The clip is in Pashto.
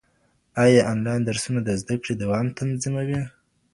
ايا انلاين درسونه د زده کړې دوام تضمینوي؟